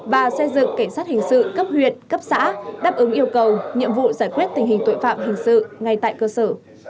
và xây dựng cảnh sát hình sự cấp huyện cấp xã đáp ứng yêu cầu nhiệm vụ giải quyết tình hình tội phạm hình sự ngay tại cơ sở